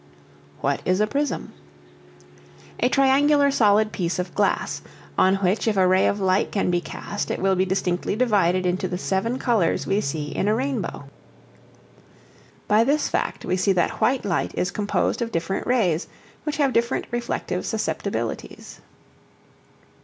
What is a Prism? A triangular solid piece of glass, on which if a ray of light be cast it will be distinctly divided into the seven colors we see in a rainbow. By this fact we see that white light is composed of different rays which have different reflective susceptibilities.